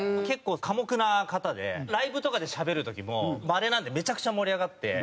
結構寡黙な方でライブとかでしゃべる時もまれなんでめちゃくちゃ盛り上がって。